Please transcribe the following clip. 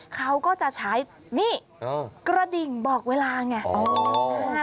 เขาก็จะใช้นี่กระดิ่งบอกเวลาไง